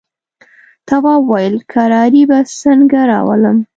تواب وويل: کراري به څنګه راولم.